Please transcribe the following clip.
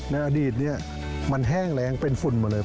ในอดีตเนี่ยมันแห้งแรงเป็นฝุ่นมาเลย